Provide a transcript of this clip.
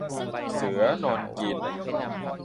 เสือนอนกิน